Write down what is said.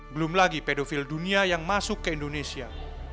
belum lagi pedofil dunia yang masuk ke indonesia